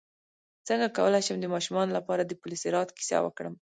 څنګه کولی شم د ماشومانو لپاره د پل صراط کیسه وکړم